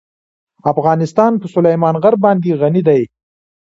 افغانستان په سلیمان غر باندې غني دی.